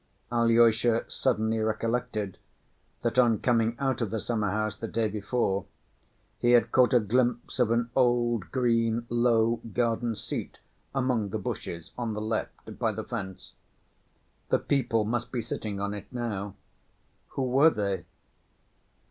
Alyosha suddenly recollected that on coming out of the summer‐house the day before, he had caught a glimpse of an old green low garden‐seat among the bushes on the left, by the fence. The people must be sitting on it now. Who were they?